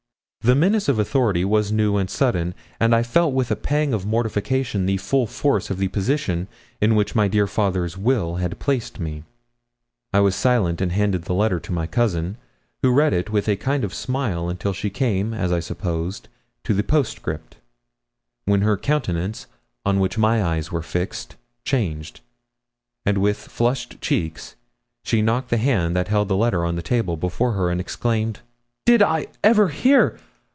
The menace of authority was new and sudden, and I felt with a pang of mortification the full force of the position in which my dear father's will had placed me. I was silent, and handed the letter to my cousin, who read it with a kind of smile until she came, as I supposed, to the postscript, when her countenance, on which my eyes were fixed, changed, and with flushed cheeks she knocked the hand that held the letter on the table before her, and exclaimed 'Did I ever hear!